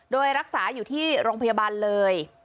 โดยรักษาอยู่ที่โรงพยาบาลเลย